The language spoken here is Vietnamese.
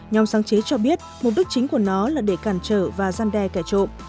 nhóm sáng chế cho biết mục đích chính của nó là để cản trở và gian đe kẻ trộm